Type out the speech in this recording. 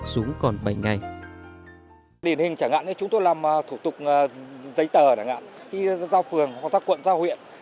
xuống còn bảy ngày